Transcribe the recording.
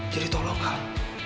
jadi tolong kal